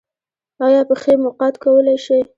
ایا پښې مو قات کولی شئ؟